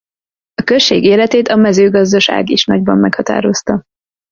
A község életét a mezőgazdaság is nagyban meghatározta.